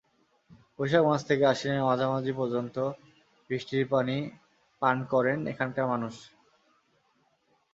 বৈশাখ মাস থেকে আশ্বিনের মাঝামাঝি পর্যন্ত সরাসরি বৃষ্টির পানি পান করেন এখানকার মানুষ।